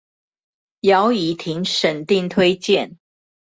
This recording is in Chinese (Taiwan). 姚以婷審定推薦